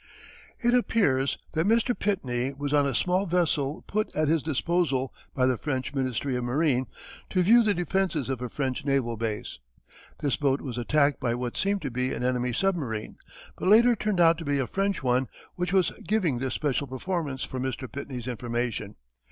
It appears that Mr. Pitney was on a small vessel put at his disposal by the French Ministry of Marine to view the defences of a French naval base. This boat was attacked by what seemed to be an enemy submarine, but later turned out to be a French one which was giving this special performance for Mr. Pitney's information.